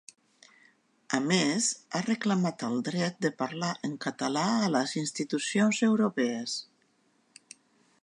A més, ha reclamat el dret de parlar en català a les institucions europees.